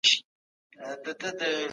خپل وجدان ته ځواب ورکوونکي اوسئ.